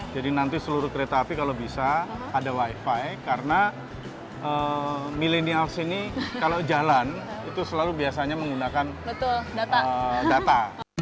jadi nanti seluruh kereta api kalau bisa ada wifi karena milenial sini kalau jalan itu selalu biasanya menggunakan data